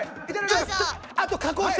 あと加工して！